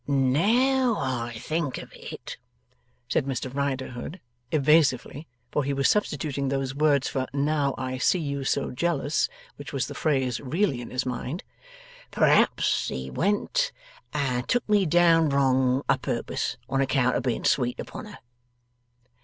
'Now I think of it,' said Mr Riderhood, evasively, for he was substituting those words for 'Now I see you so jealous,' which was the phrase really in his mind; 'P'r'aps he went and took me down wrong, a purpose, on account o' being sweet upon her!